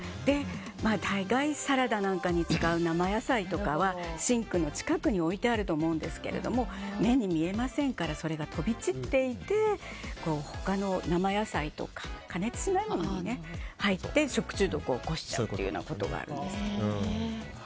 大概、サラダなんかに使う生野菜とかはシンクの近くに置いてあると思うんですけど目に見えませんからそれが飛び散っていて他の生野菜とか加熱しないものに入って、食中毒を起こしちゃうということがあるんです。